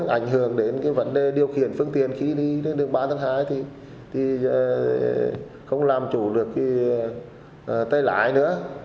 nó ảnh hưởng đến vấn đề điều khiển phương tiện khi đi đường ba tháng hai thì không làm chủ được cái tây lái nữa